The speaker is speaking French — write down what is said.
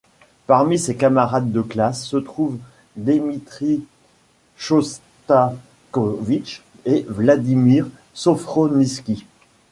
Parmi ses camarades de classe se trouvent Dmitri Chostakovitch et Vladimir Sofronitsky.